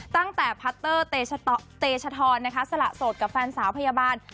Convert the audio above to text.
ตั้งแต่พัตเตอร์เตชธรนะคะสละโสดกับแฟนสาวพยาบาล